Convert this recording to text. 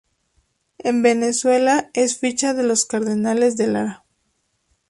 En Venezuela es ficha de los Cardenales de Lara.